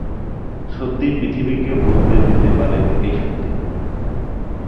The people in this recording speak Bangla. সত্যিই পৃথিবীকে বদলে দিতে পারে এই শক্তি!